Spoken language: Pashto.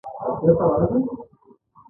هلته د فکر په بیان باندې بندیزونه نه لګیږي.